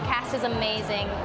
kastinya luar biasa